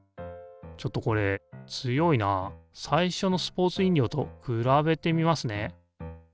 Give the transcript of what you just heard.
ちょっとこれ強いなあ最初のスポーツ飲料と比べてみますね。